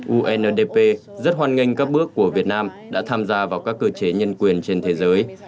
undp rất hoan nghênh các bước của việt nam đã tham gia vào các cơ chế nhân quyền trên thế giới